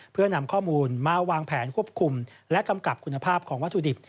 เพื่อนำข้อมูลมาวางแผนควบคุมและกำกับคุณภาพของวัตถุดิบ